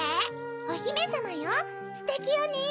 おひめさまよステキよね。